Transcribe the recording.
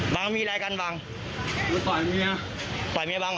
บางมีอะไรกันบางต่อยเมียต่อยเมียบางหรอ